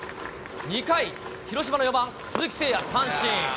２回、広島の４番鈴木誠也、三振。